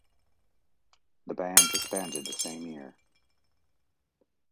The band disbanded the same year.